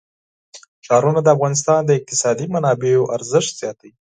ښارونه د افغانستان د اقتصادي منابعو ارزښت زیاتوي.